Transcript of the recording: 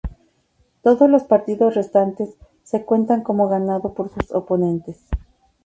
Todos los partidos restantes se cuentan como ganado por sus oponentes.